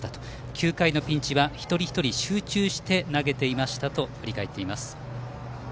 ９回のピンチは一人一人集中して投げていましたと振り返っています。